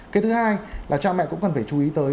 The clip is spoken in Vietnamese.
cái thứ hai là cha mẹ cũng cần phải chú ý tới